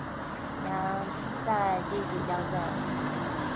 將再積極交涉